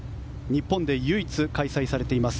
日本で唯一開催されています